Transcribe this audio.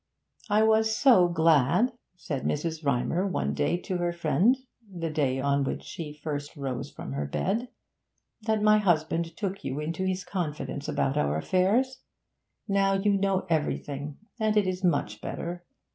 'I was so glad,' said Mrs. Rymer one day to her friend, the day on which she first rose from bed, 'that my husband took you into his confidence about our affairs. Now you know everything, and it is much better.